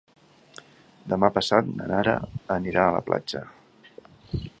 Demà passat na Nara anirà a la platja.